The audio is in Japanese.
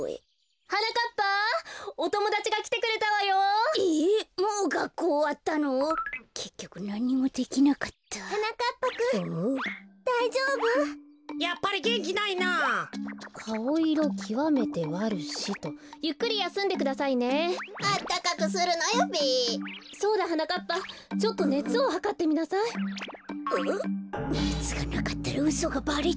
こころのこえねつがなかったらうそがばれちゃう。